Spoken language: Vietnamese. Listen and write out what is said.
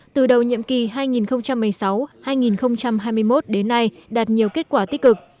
từ đầu nhiệm kỳ hai nghìn một mươi sáu hai nghìn hai mươi một đến nay đạt nhiều kết quả tích cực